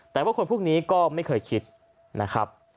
แต่ว่าคนพวกนี้ก็ไม่เคยคิดนะครับ